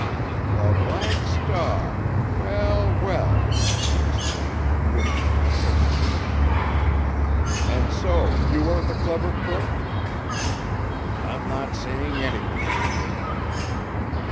"The Black Star—well, well!" he exclaimed, grinning at his prisoner again. "And so you are the clever crook?" "I'm not saying anything!"